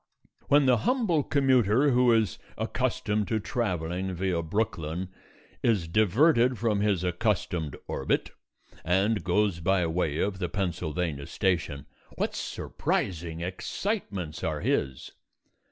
When the humble commuter who is accustomed to travelling via Brooklyn is diverted from his accustomed orbit, and goes by way of the Pennsylvania Station, what surprising excitements are his.